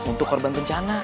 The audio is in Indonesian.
untuk korban bencana